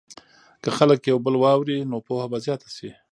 که خلک یو بل واوري، نو پوهه به زیاته شي.